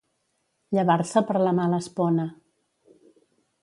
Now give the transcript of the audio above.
Llevar-se per la mala espona.